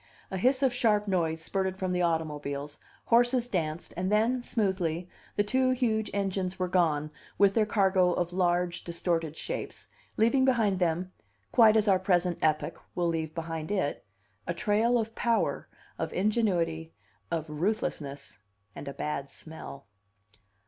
A hiss of sharp noise spurted from the automobiles, horses danced, and then, smoothly, the two huge engines were gone with their cargo of large, distorted shapes, leaving behind them quite as our present epoch will leave behind it a trail of power, of ingenuity, of ruthlessness, and a bad smell.